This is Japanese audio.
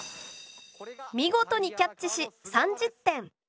見事にキャッチし３０点！